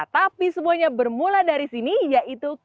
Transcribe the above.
tapi semuanya bermula dari sini yaitu